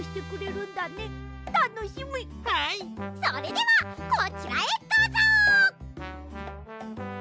それではこちらへどうぞ！